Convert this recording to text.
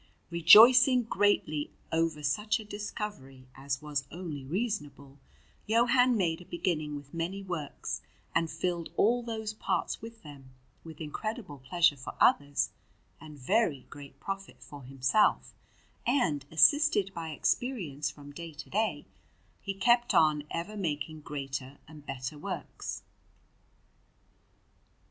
Rejoicing greatly over such a discovery, as was only reasonable, Johann made a beginning with many works and filled all those parts with them, with incredible pleasure for others and very great profit for himself; and, assisted by experience from day to day, he kept on ever making greater and better works.